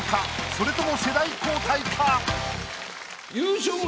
それとも世代交代か？